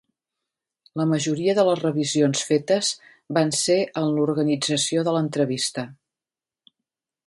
La majoria de les revisions fetes van ser en l'organització de l'entrevista.